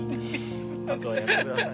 あとはやってください。